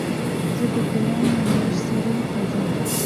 زه د ګلانو نرسرۍ ته ځم.